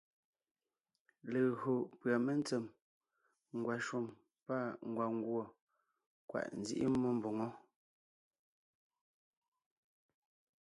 Legÿo pʉ́a mentsèm, ngwàshùm pâ ngwàngùɔ, kwàʼ nzíʼi mmó mbòŋo.